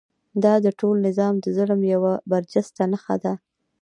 دا د ټول نظام د ظلم یوه برجسته نښه ده.